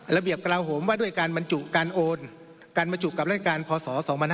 กระลาโหมว่าด้วยการบรรจุการโอนการบรรจุกับรายการพศ๒๕๕๙